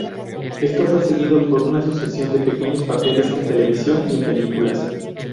Esto fue seguido por una sucesión de pequeños papeles en televisión y en películas.